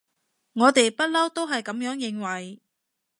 我哋不溜都係噉樣認為